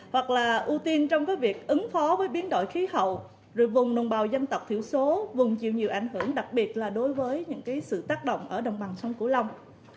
hoặc là ưu tiên trong việc ứng phó với biến đổi khí hậu vùng nông bào dân tộc thiểu số vùng chịu nhiều ảnh hưởng đặc biệt là đối với sự tác động ở đồng bằng sông cửu long